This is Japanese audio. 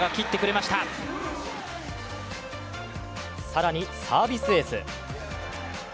更に、サービスエース。